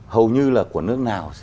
hầu như là của nước nào